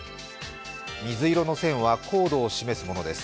水色の線は高度を示すものです。